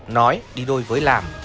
nói đi đôi với làm